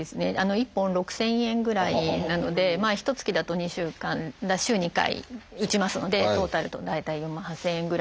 １本６，０００円ぐらいなのでひとつきだと週２回打ちますのでトータルだと大体４万８，０００円ぐらいしますね。